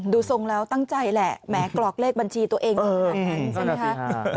ดูทรงแล้วตั้งใจแหละแหมกรอกเลขบัญชีตัวเองของคุณครับ